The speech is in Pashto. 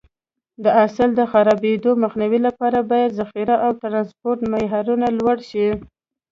د حاصل د خرابېدو مخنیوي لپاره باید ذخیره او ټرانسپورټ معیارونه لوړ شي.